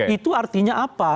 itu artinya apa